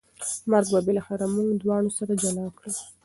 مرګ به بالاخره موږ دواړه سره جلا کړي